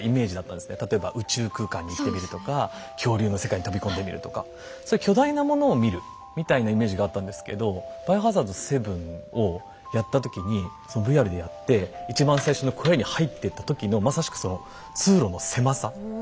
例えば宇宙空間に行ってみるとか恐竜の世界に飛び込んでみるとかそういう巨大なものを見るみたいなイメージがあったんですけど「バイオハザード７」をやった時にそのＶＲでやって一番最初の小屋に入ってった時のまさしくその通路の狭さ。